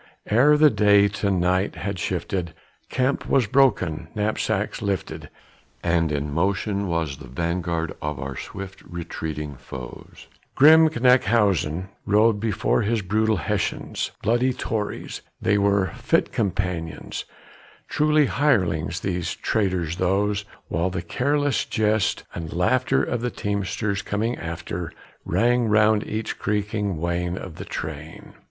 Ere the day to night had shifted, camp was broken, knapsacks lifted, And in motion was the vanguard of our swift retreating foes; Grim Knyphausen rode before his brutal Hessians, bloody Tories They were fit companions, truly, hirelings these and traitors those While the careless jest and laughter of the teamsters coming after Rang around each creaking wain of the train.